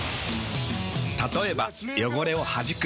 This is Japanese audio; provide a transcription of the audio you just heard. たとえば汚れをはじく。